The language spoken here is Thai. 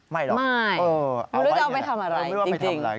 ไม่หรอกเออเอาไว้อย่างนี้แหละจริงคุณรู้จะเอาไปทำอะไร